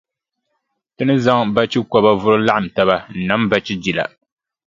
Ti ni zaŋ bachikɔba vuri laɣim taba n-nam bachijila.